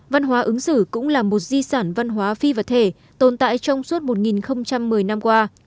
văn hóa ứng xử cũng là một di sản văn hóa phi vật thể tồn tại trong suốt một một mươi năm qua